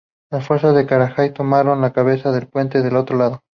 Las fuerzas de Karzai tomaron la cabeza de puente del otro lado.